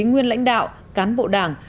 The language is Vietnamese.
nguyên lãnh đạo cán bộ đảng